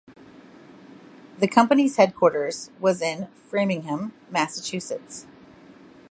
The company's headquarters was in Framingham, Massachusetts.